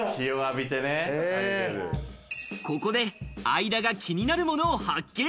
ここで相田が気になるものを発見。